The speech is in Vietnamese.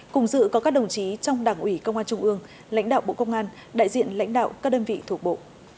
cùng dự có các đồng chí trong đảng ủy công an trung ương lãnh đạo bộ công an đại diện lãnh đạo các đơn vị thuộc bộ